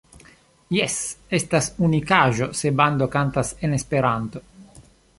Jes, estas unikaĵo se bando kantas en Esperanto.